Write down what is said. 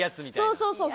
そうそうそう。